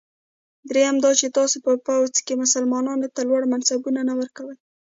دریم دا چې تاسي په پوځ کې مسلمانانو ته لوړ منصبونه نه ورکوی.